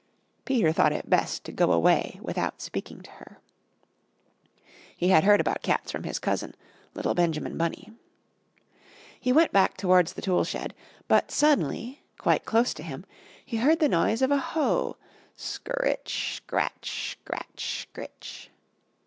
Peter thought it best to go away without speaking to her. He had heard about cats from his cousin, little Benjamin Bunny. He went back towards the tool shed, but suddenly, quite close to him, he heard the noise of a hoe scr r ritch, scratch, scratch, scritch.